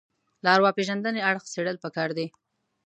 له ارواپېژندنې اړخ څېړل پکار دي